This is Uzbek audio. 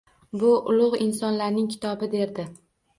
Bu ulug‘ insonlarning kitobi, derdi.